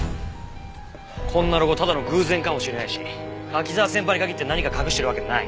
こんなロゴただの偶然かもしれないし柿沢先輩に限って何か隠してるわけない。